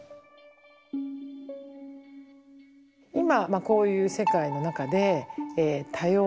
今こういう世界の中で多様性